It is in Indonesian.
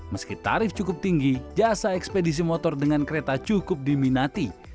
meski tarif cukup tinggi jasa ekspedisi motor dengan kereta cukup diminati